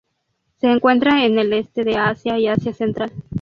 Se encuentra en el este de Asia y Asia central.